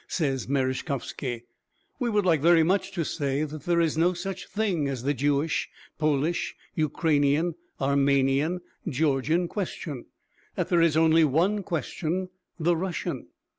Says Merezhkovsky: "We would like very much to say that there is no such thing as the Jewish, Polish, Ukrainian, Armenian, Georgian, question; that there is only one question the Russian.